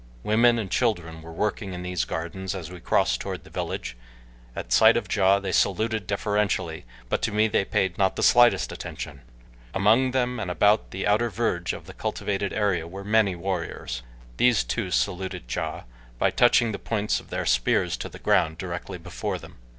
Women and children were working in these gardens as we crossed toward the village. At sight of Ja they saluted deferentially, but to me they paid not the slightest attention. Among them and about the outer verge of the cultivated area were many warriors. These too saluted Ja, by touching the points of their spears to the ground directly before them.